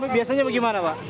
biasanya bagaimana pak